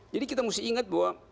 jadi kita mesti ingat bahwa